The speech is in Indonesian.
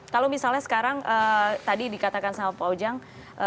kalau misalnya sekarang tadi dikatakan sama pak ujang